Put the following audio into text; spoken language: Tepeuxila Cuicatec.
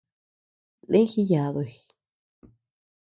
Lï jiyaduy.